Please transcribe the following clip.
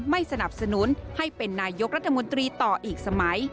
ไม่สนับสนุนให้เป็นนายกรัฐมนตรีต่ออีกสมัย